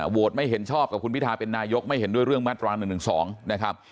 ไม่เห็นชอบกับคุณพิทาเป็นนายกไม่เห็นด้วยเรื่องมาตรา๑๑๒นะครับ